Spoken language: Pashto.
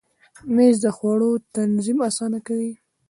مېز د خوړو تنظیم اسانه کوي.